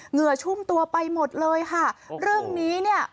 เหงื่อชุ่มตัวไปหมดเลยค่ะเรื่องนี้เนี่ย